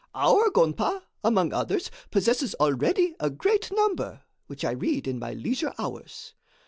Our gonpa, among others, possesses already a great number, which I read in my leisure hours.